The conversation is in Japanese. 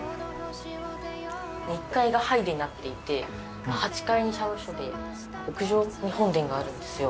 １階が拝殿になっていて８階に社務所で屋上に本殿があるんですよ。